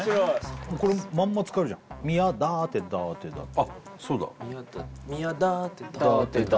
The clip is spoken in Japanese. これまんま使えるじゃん「宮だーてだーてだて」